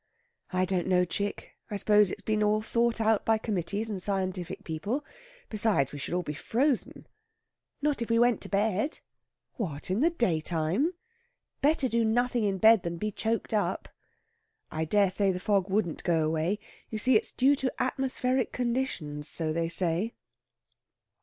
"I don't know, chick. I suppose it's been all thought out by committees and scientific people. Besides, we should all be frozen." "Not if we went to bed." "What! In the daytime?" "Better do nothing in bed than be choked up." "I dare say the fog wouldn't go away. You see, it's due to atmospheric conditions, so they say."